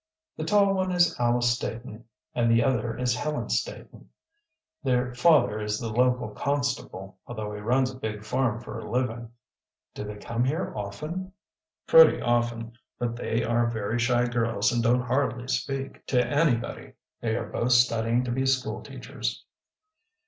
"The tall one is Alice Staton and the other is Helen Staton. Their father is the local constable, although he runs a big farm for a living." "Do they come here often?" "Pretty often. But they are very shy girls and don't hardly speak to anybody. They are both studying to be school teachers."